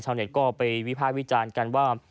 เน็ตก็ไปวิภาควิจารณ์กันว่า